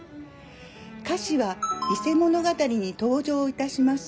歌詞は「伊勢物語」に登場いたします